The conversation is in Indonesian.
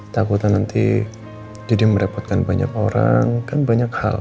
takutan nanti jadi merepotkan banyak orang kan banyak hal